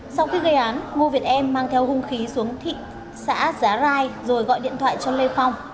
sau khi gây án ngô việt em mang theo hung khí xuống thị xã giá rai rồi gọi điện thoại cho lê phong